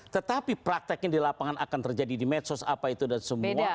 tetapi prakteknya di lapangan akan terjadi di medsos apa itu dan semua